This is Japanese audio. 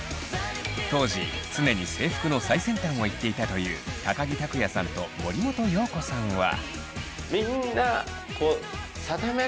当時常に制服の最先端をいっていたという木琢也さんと森本容子さんは。